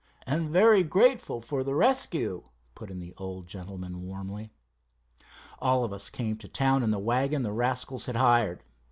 "And very grateful for the rescue," put in the old gentleman, warmly. "All of us came to town in the wagon the rascals had hired.